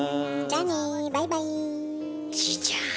じいちゃん。